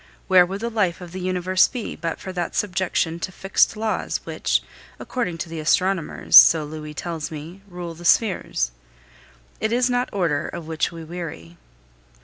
Where would the life of the universe be but for that subjection to fixed laws which, according to the astronomers, so Louis tells me, rule the spheres! It is not order of which we weary.